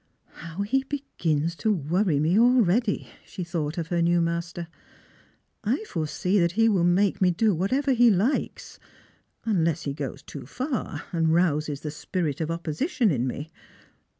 " How he begins to worry me already," she thought of hef new master. " I foresee that he will make me do whatever he likes, unless he goes too far, and rouses the spirit of oppo sition in me.